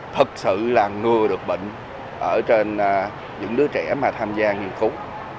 thật sự là ngừa được bệnh ở trên những đứa trẻ mà tham gia nghiên cứu